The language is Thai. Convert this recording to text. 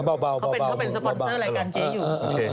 เขาเป็นสปอนเซอร์รายการเจ๊อยู่